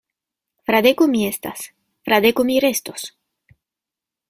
Fradeko mi estas; Fradeko mi restos.